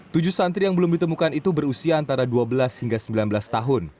tujuh santri yang belum ditemukan itu berusia antara dua belas hingga sembilan belas tahun